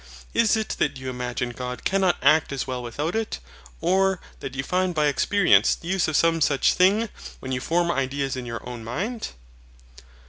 Is it that you imagine God cannot act as well without it; or that you find by experience the use of some such thing, when you form ideas in your own mind?